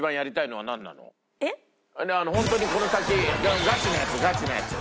ホントにこの先ガチなやつガチなやつ。